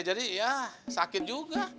jadi ya sakit juga